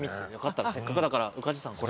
せっかくだから宇梶さんこれ。